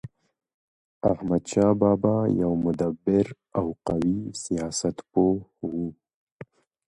احمدشاه بابا يو مدبر او قوي سیاست پوه و.